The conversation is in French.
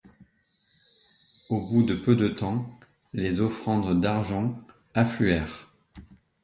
Au bout de peu de temps, les offrandes d’argent affluèrent.